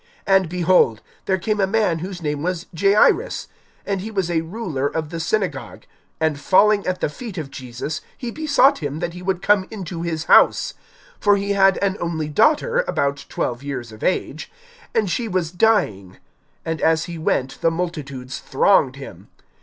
(41)And, behold, there came a man whose name was Jairus, and he was a ruler of the synagogue; and falling at the feet of Jesus, he besought him that he would come into his house; (42)for he had an only daughter, about twelve years of age, and she was dying. And as he went the multitudes thronged him.